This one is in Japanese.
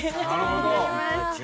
なるほど。